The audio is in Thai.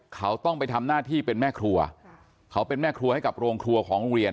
เขาต้องไปทำหน้าที่เป็นแม่ครัวเขาเป็นแม่ครัวให้กับโรงครัวของโรงเรียน